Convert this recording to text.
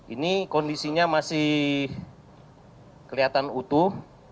ini kondisinya masih kelihatan utuh